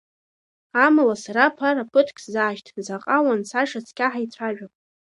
Амала, сара ԥара ԥыҭк сзаашьҭ, заҟа уанцаша цқьа ҳаицәажәап.